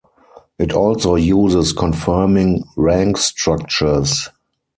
It also uses conforming rank structures.